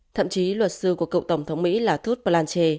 thậm chí luật sư của cựu tổng thống mỹ là thuất blanchet